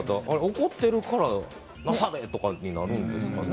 怒っているからなされ！とかになるんですかね？